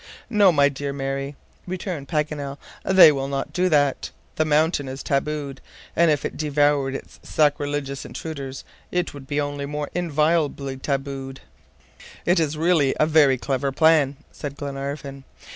"No, my dear Mary," returned Paganel. "They will not do that. The mountain is tabooed, and if it devoured its sacrilegious intruders, it would only be more inviolably tabooed." "It is really a very clever plan," said Glenarvan.